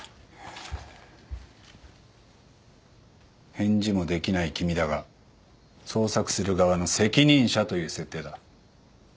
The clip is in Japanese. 返事もできない君だが捜索する側の責任者という設定だ。